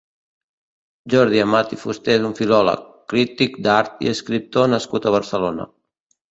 Jordi Amat i Fusté és un filòleg, crític d'art i escriptor nascut a Barcelona.